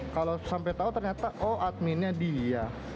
kalau sampai tahu ternyata oh adminnya dia